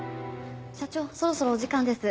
社長そろそろお時間です。